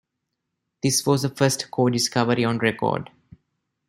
This was the first co-discovery on record.